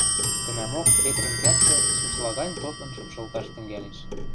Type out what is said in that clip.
Тӹнӓмок Петрӹн кӓпшӹ сусла гань тотлын шыпшылташ тӹнгӓлеш.